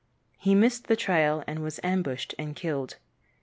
He missed the trail and was ambushed and killed.